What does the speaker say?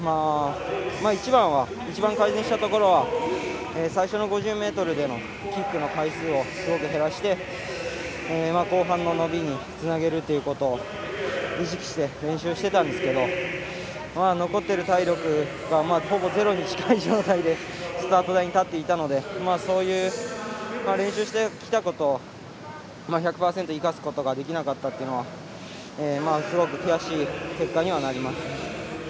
一番改善したところは最初の５０ｍでのキックの回数を減らして後半の伸びにつなげることを意識して練習してたんですけど残っている体力がほぼゼロに近い状態でスタート台に立っていたのでそういう練習してきたこと１００％生かすことができなかったというのはすごく悔しい結果にはなりました。